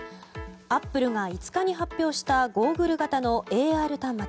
アップルが５日に発表したゴーグル型のＡＲ端末